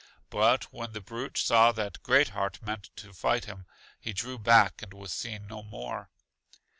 But when the brute saw that Great heart meant to fight him, he drew back and was seen no more.